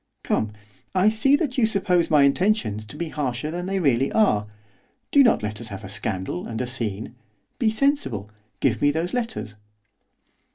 'Come, I see that you suppose my intentions to be harsher than they really are, do not let us have a scandal, and a scene, be sensible! give me those letters!